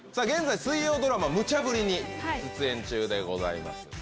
現在水曜ドラマ『ムチャブリ！』に出演中でございます。